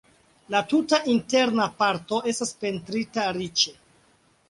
La tuta interna parto estas pentrita riĉe.